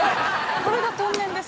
これが天然ですか？